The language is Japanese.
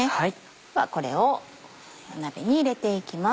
ではこれを鍋に入れていきます。